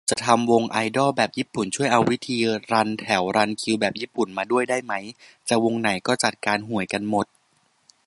จะทำวงไอดอลแบบญี่ปุ่น ช่วยเอาวิธีรันแถวรันคิวแบบญี่ปุ่นมาด้วยได้มั้ย จะวงไหนก็จัดการห่วยกันหมด